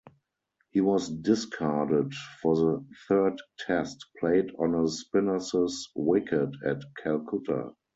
He was discarded for the third Test, played on a spinners' wicket at Calcutta.